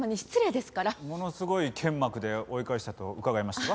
ものすごい剣幕で追い返したと伺いましたが。